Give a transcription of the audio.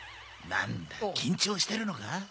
なんだ緊張してるのか？